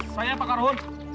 saya pakar um